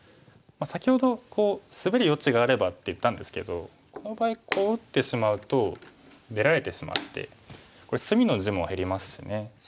先ほどスベる余地があればって言ったんですけどこの場合こう打ってしまうと出られてしまってこれ隅の地も減りますしね。